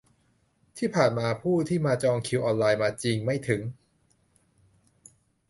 ที่ผ่านมาผู้ที่มาจองคิวออนไลน์มาจริงไม่ถึง